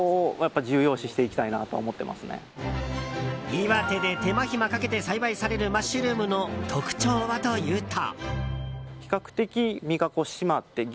岩手で手間暇かけて栽培されるマッシュルームの特徴はというと。